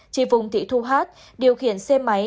chị phùng thị thu hát điều khiển xe máy